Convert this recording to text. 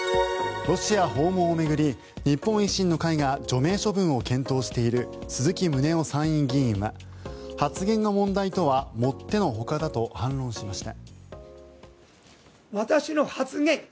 ロシア訪問を巡り日本維新の会が除名処分を検討している鈴木宗男参院議員は発言が問題とはもってのほかだと反論しました。